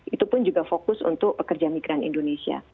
itu pun juga fokus untuk pekerja migran indonesia